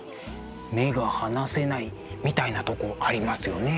目が離せないみたいなとこありますよね。